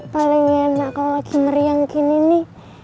paling enak kalau lagi meriang gini nih